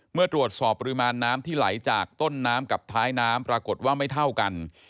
เมื่อตรวจสอบปริมาณน้ำที่ไหลจากต้นน้ำกับท้ายน้ำปรากฏว่าไม่เท่ากัน